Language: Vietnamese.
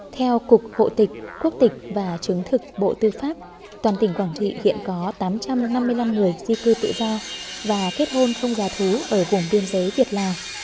theo cục hộ tịch quốc tịch và chứng thực bộ tư pháp toàn tỉnh quảng trị hiện có tám trăm năm mươi năm người di cư tự do và kết hôn không giả thú ở vùng biên giới việt lào